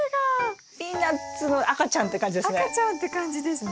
ピーナツの赤ちゃんって感じですね。